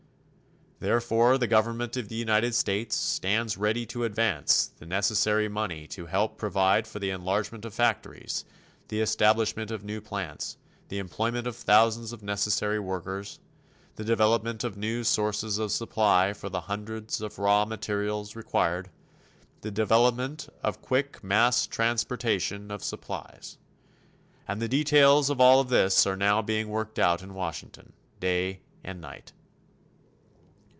Therefore, the government of the United States stands ready to advance the necessary money to help provide for the enlargement of factories, the establishment of new plants, the employment of thousands of necessary workers, the development of new sources of supply for the hundreds of raw materials required, the development of quick mass transportation of supplies. And the details of all of this are now being worked out in Washington, day and night.